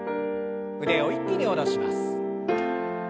腕を一気に下ろします。